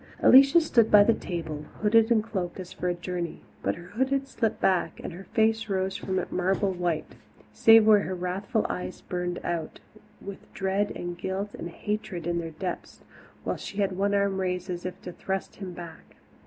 Alicia stood by the table, hooded and cloaked as for a journey, but her hood had slipped back, and her face rose from it marble white, save where her wrathful eyes burned out, with dread and guilt and hatred in their depths, while she had one arm raised as if to thrust him back.